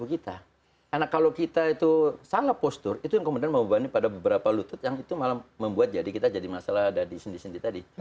karena kalau kita itu salah postur itu yang kemudian membebani pada beberapa lutut yang itu malah membuat jadi kita jadi masalah ada di sendi sendi tadi